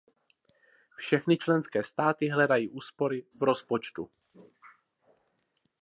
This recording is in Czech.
Všechny členské státy hledají úspory v rozpočtu.